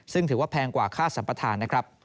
ซึ่งถือว่าแพงกว่าค่าสัมปทาน